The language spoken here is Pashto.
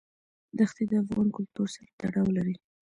دښتې د افغان کلتور سره تړاو لري.